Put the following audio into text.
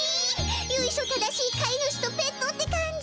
ゆいしょ正しいかい主とペットって感じ。